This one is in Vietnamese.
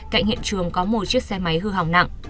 cạnh hiện trường có một chiếc xe máy hư hỏng nặng